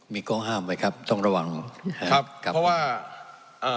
มีข้อห้ามไว้ครับต้องระวังครับครับเพราะว่าเอ่อ